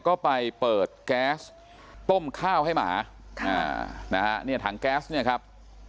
ก็ไปเปิดแก๊สต้มข้าวให้หมาค่ะอ่านะฮะเนี่ยถังแก๊สเนี่ยครับ